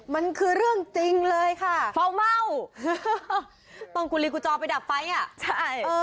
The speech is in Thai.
มันคือเรื่องจริงเลยค่ะเฝ้าเม่าต้องกุลีกุจอไปดับไฟอ่ะใช่